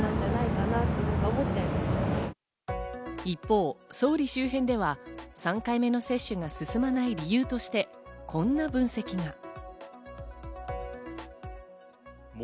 一方、総理周辺では３回目の接種が進まない理由として、こんな分析が。